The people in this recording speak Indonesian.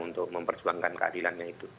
untuk mempersuankan keadilannya itu